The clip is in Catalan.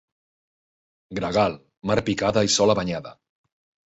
Gregal, mar picada i sola banyada.